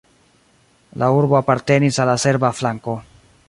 La urbo apartenis al la serba flanko.